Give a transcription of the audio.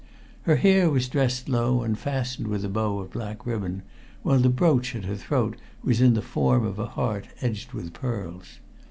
Her hair was dressed low and fastened with a bow of black ribbon, while the brooch at her throat was in the form of a heart edged with pearls.